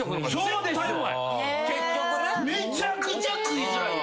めちゃくちゃ食いづらいよな。